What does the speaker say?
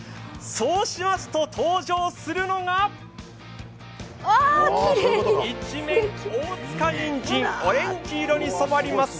そうしますと、登場するのが一面、大塚にんじんオレンジに染まります